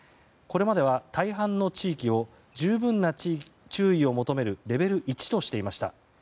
これまでは大半の地域を十分な注意を求めるレベル１としていました。